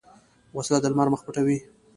وسله د لمر مخ پټوي